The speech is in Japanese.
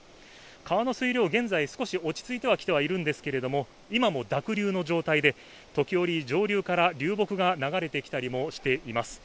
川の水量、現在少し落ち着いてはきてはいるんですが今も濁流の状態で時折、上流から流木が流れてきたりもしています。